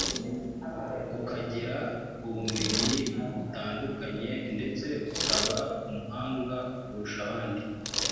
ukagira ubumenyi butandukanye ndetse ukaba umuhanga kurusha abandi